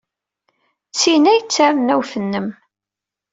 D tin ay d tarennawt-nnem.